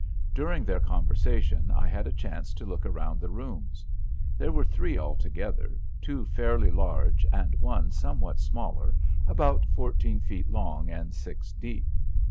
During their conversation, I had a chance to look around the rooms. There were three altogether, two fairly large and one somewhat smaller, about fourteen feet long and six deep.